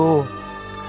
saya akan mengecewakan